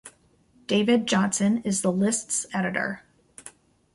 David Johnson is the list's editor.